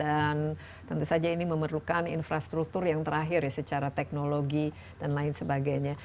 dan tentu saja ini memerlukan infrastruktur yang terakhir ya secara teknologi dan lain sebagainya